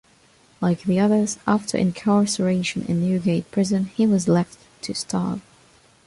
Like the others, after incarceration in Newgate Prison he was left to starve.